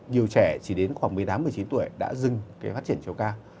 nhiều trẻ chỉ đến khoảng một mươi tám một mươi chín tuổi đã dừng cái phát triển chiều cao